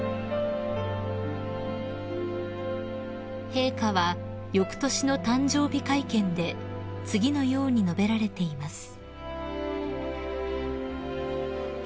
［陛下はよくとしの誕生日会見で次のように述べられています］